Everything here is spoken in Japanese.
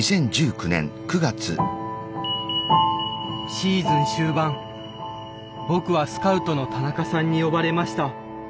シーズン終盤僕はスカウトの田中さんに呼ばれました。